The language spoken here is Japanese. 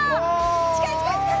近い近い近い。